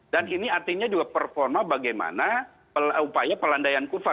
dan ini artinya juga performa bagaimana upaya pelandaian kurva